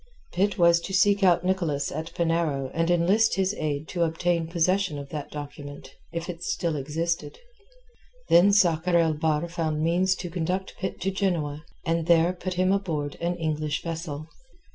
Pitt was to seek out Nicholas at Penarrow and enlist his aid to obtain possession of that document, if it still existed. Then Sakr el Bahr found means to conduct Pitt to Genoa, and there put him aboard an English vessel.